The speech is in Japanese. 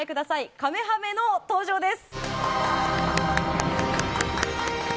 カメハメの登場です。